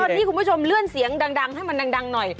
วันนี้คุณผู้ชมเลื่อนเสียงดังให้มันดังหน่อย